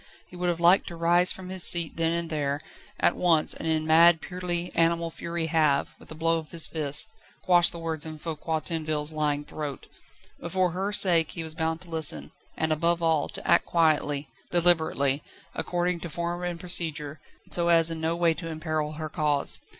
He would have liked to rise from his seat then and there, at once, and in mad, purely animal fury have, with a blow of his fist, quashed the words in Foucquier Tinville's lying throat. But for her sake he was bound to listen, and, above all, to act quietly, deliberately, according to form and procedure, so as in no way to imperil her cause.